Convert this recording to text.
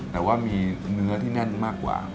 แต่ว่ามีเนื้อที่แน่นมากกว่า